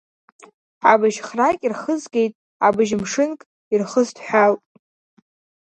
Абжь-храк ирхызгеит, абыжь-мшынк ирхысҭәҳәалт.